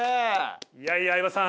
いやいや相葉さん。